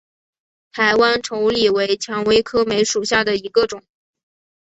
台湾稠李为蔷薇科梅属下的一个种。